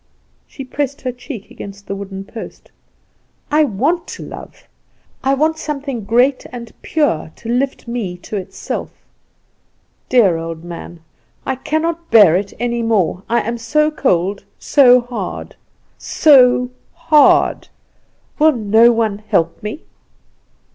She pressed her cheek against the wooden post. "I want to love! I want something great and pure to lift me to itself! Dear old man, I cannot bear it any more! I am so cold, so hard, so hard; will no one help me?"